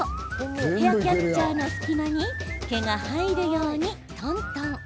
ヘアキャッチャーの隙間に毛が入るように、とんとん。